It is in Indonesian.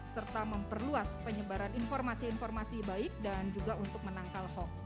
serta memperluas penyebaran informasi informasi baik dan juga untuk menangkal hoax